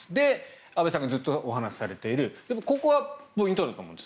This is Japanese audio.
安部さんがずっとお話しされているここはポイントだと思います。